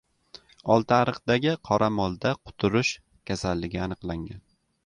Oltiariqdagi qoramolda quturish kasalligi aniqlangan